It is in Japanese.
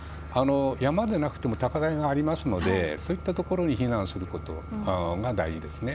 山でなくても高台がありますのでそういったところに避難するのが大事ですね。